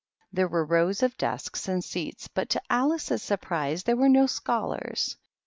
There were rows of desks and seats, but to Alice's sur prise there were no scholars.